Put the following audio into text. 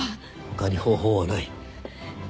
他に方法はない。